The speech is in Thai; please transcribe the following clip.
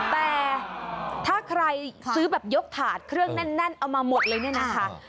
แต่ถ้าใครซื้อแบบยกถาดเครื่องแน่นเอามาหมดเลยเนี่ยนะคะ